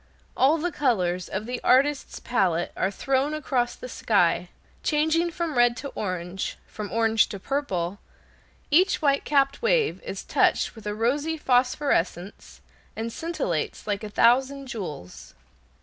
All the colors of the artist's palette are thrown across the sky, changing from red to orange, from orange to purple; each white capped wave is touched with a rosy phosphorescence, and scintillates like a thousand jewels.